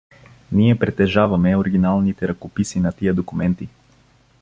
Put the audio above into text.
Ние притежаваме оригиналните ръкописи на тия документи.